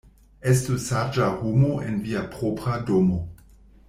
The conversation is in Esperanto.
Estu saĝa homo en via propra domo.